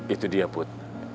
itu dia bud